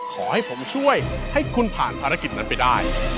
ขอให้ผมช่วยให้คุณผ่านภารกิจนั้นไปได้